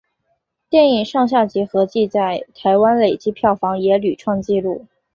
电影上下集合计在台湾累积票房也屡创纪录。